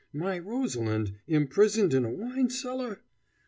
"My Rosalind imprisoned in a wine cellar?"